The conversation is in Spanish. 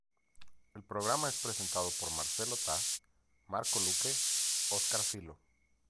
El programa es presentado por Marcelo Tas, Marco Luque, Oscar Filho.